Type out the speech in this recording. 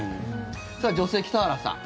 さあ女性、北原さん。